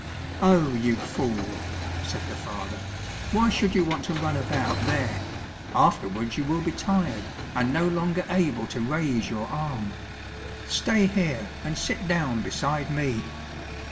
"Oh, you fool," said the father, "why should you want to run about there? Afterwards you will be tired, and no longer able to raise your arm; stay here, and sit down beside me."